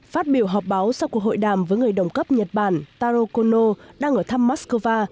phát biểu họp báo sau cuộc hội đàm với người đồng cấp nhật bản taro kono đang ở thăm moscow